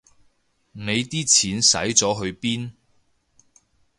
你啲錢使咗去邊